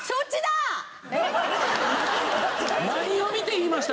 何を見て言いました？